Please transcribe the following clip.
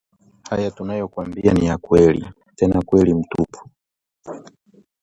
Haya tunayokwambia, ni ya kweli tena ukweli mtupu